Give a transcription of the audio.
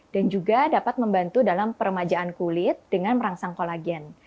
dan juga dapat membantu dalam permajaan kulit dengan merangsang kolagen